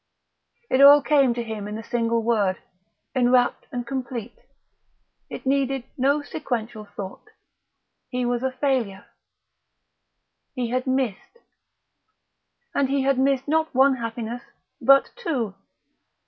It all came to him in the single word, enwrapped and complete; it needed no sequential thought; he was a failure. He had missed.... And he had missed not one happiness, but two.